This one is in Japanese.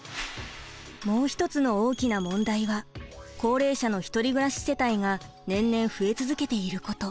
もう一つの大きな問題は高齢者の一人暮らし世帯が年々増え続けていること。